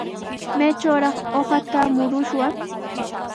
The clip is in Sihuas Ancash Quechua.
¿Maytrawraq uqata murushwan?